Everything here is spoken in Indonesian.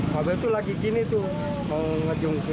mobil tuh lagi gini tuh mau ngejumpir